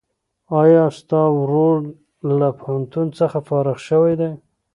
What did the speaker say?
ایا ستا ورور له پوهنتون څخه فارغ شوی دی؟